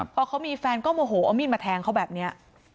พอเขามีแฟนก็โมโหเอามีดมาแทงเขาแบบนี้